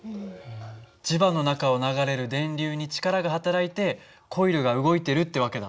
磁場の中を流れる電流に力が働いてコイルが動いてるって訳だ。